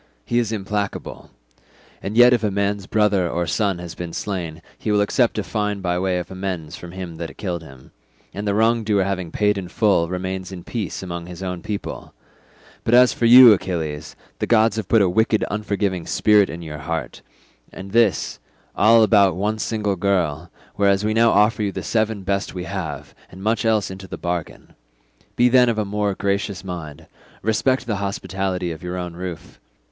He is implacable—and yet if a man's brother or son has been slain he will accept a fine by way of amends from him that killed him, and the wrong doer having paid in full remains in peace among his own people; but as for you, Achilles, the gods have put a wicked unforgiving spirit in your heart, and this, all about one single girl, whereas we now offer you the seven best we have, and much else into the bargain. Be then of a more gracious mind, respect the hospitality of your own roof.